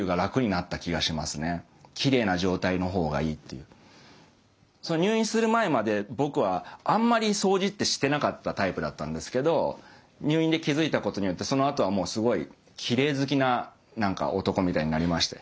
そうしたら入院する前まで僕はあんまり掃除ってしてなかったタイプだったんですけど入院で気付いたことによってそのあとはもうすごいきれい好きな男みたいになりまして。